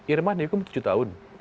irma dihukum tujuh tahun